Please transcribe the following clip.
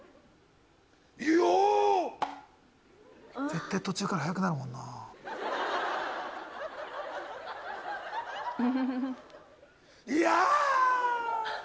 「絶対途中から速くなるもんな」やーっ！